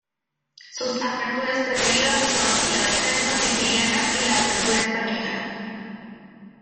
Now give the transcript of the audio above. Sus aperturas preferidas son la Defensa siciliana y la Apertura española.